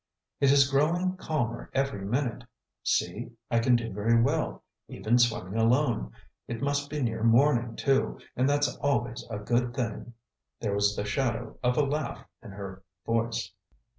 "It is growing calmer every minute. See, I can do very well, even swimming alone. It must be near morning, too, and that's always, a good thing." There was the shadow of a laugh in her voice.